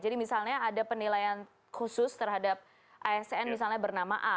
jadi misalnya ada penilaian khusus terhadap asn misalnya bernama a